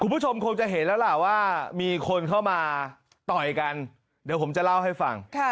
คุณผู้ชมคงจะเห็นแล้วล่ะว่ามีคนเข้ามาต่อยกันเดี๋ยวผมจะเล่าให้ฟัง